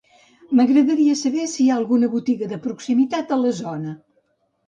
M'agradaria saber si hi ha alguna botiga de proximitat a la zona.